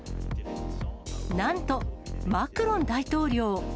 なんと、マクロン大統領。